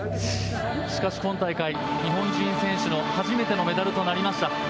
しかし今大会日本人選手の初めてのメダルとなりました。